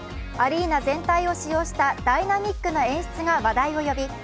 アリーナ全体を使用したダイナミックな演出が話題を呼び